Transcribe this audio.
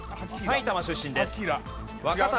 埼玉出身です。